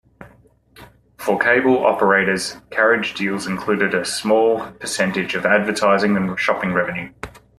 For cable operators, carriage deals included a small percentage of advertising and shopping revenue.